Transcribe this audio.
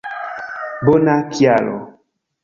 Bona kialo